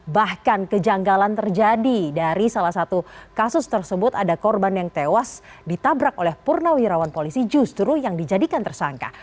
bahkan kejanggalan terjadi dari salah satu kasus tersebut ada korban yang tewas ditabrak oleh purnawirawan polisi justru yang dijadikan tersangka